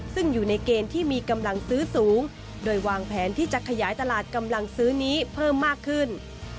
ซึ่งอยู่ในเกณฑ์ที่มีกำลังซื้อสูงโดยวางแผนที่จะขยายตลาดกำลังซื้อนี้เพิ่มมากขึ้น